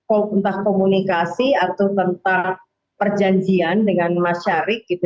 entah komunikasi atau tentang perjanjian dengan masyarik